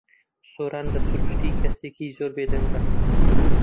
سۆران بە سروشتی کەسێکی زۆر بێدەنگە.